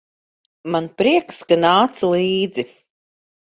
Man prieks, ka nāc līdzi.